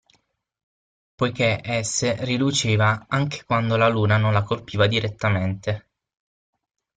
Poiché esse riluceva anche quando la luna non la colpiva direttamente.